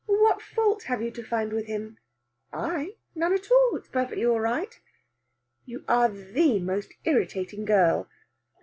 "What fault have you to find with him?" "I! None at all. It's all perfectly right." "You are the most irritating girl."